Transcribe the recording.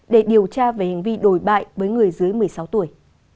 để điều tra về hành vi đổi bại với người dưới một mươi sáu tuổi